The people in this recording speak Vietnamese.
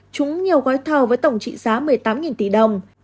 trúng nhiều gói thầu với tổng trị giá một mươi tám tỷ đồng